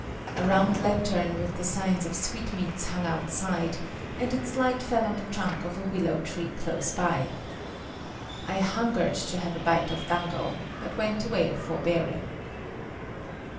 A round lantern with the signs of sweet meats hung outside and its light fell on the trunk of a willow tree close by. I hungered to have a bite of dango, but went away forbearing.